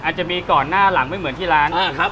อาจจะมีก่อนหน้าหลังไม่เหมือนที่ร้านครับ